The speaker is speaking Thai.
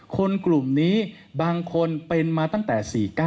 คนกลุ่มนี้บางคนเป็นมาตั้งแต่๔๙